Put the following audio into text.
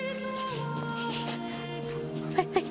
はいはい。